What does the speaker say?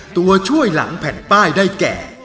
ตัวช่วยหลังแผ่นป้ายได้แก่